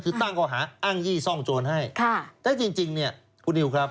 คือตั้งข้อหาอ้างยี่ซ่องโจรให้ค่ะแต่จริงจริงเนี่ยคุณนิวครับ